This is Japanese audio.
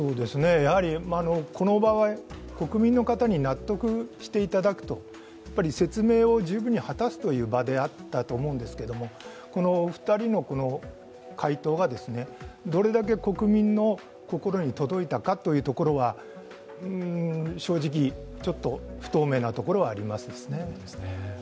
この場合、国民の方に納得していただくと説明を十分に果たすという場であったと思うんですけれども、このお二人の回答がどれだけ国民の心に届いたかというところは正直、ちょっと不透明なところはありますね。